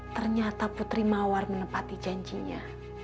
ternyata putri mawar menepati janjinya